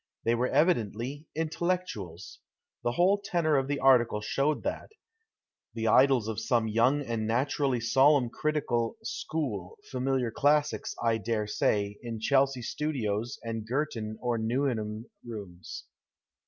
They were evidently " intellectuals "— the whole tenor of the article showed that — the idols of some young and naturally solemn critical " school," familiar classics, I dare say, in Chelsea studios and Girton or Newnham rooms.